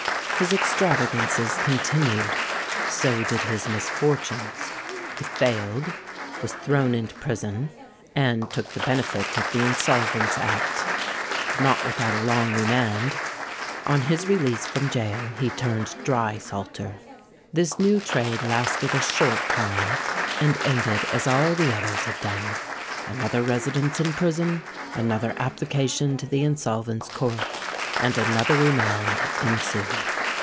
His extravagances continued: so did his misfortunes. He failed, was thrown into prison, and took the benefit of the Insolvents' Act—but not without a long remand. On his release from gaol, he turned dry salter. This new trade lasted a short time, and ended as all the others had done. Another residence in prison—another application to the Insolvents' Court—and another remand, ensued.